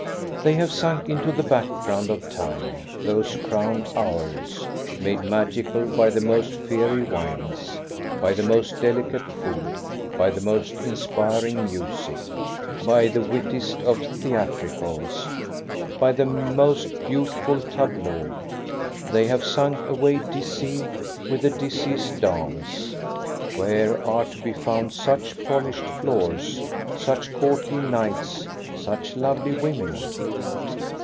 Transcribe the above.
They have sunk into the background of time, those crowned hours, made magical by the most fiery wines, by the most delicate food, by the most inspir ing music, by the wittiest of theatricals, by the most beautiful tableaux. They have sunk away, dizzy with the dizziest dance. Where are to be found such polished floors, such courtly knights, such lovely women